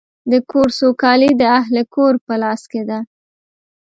د کور سوکالي د اهلِ کور په لاس کې ده.